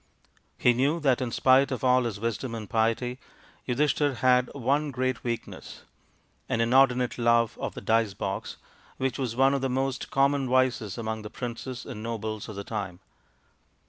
He knew that, in spite of all his wisdom and piety, Yudhishthir had one great weakness an inordinate love of the dice box, which was one of the most common vices among the princes and nobles of the time.